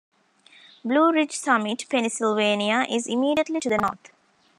Blue Ridge Summit, Pennsylvania is immediately to the north.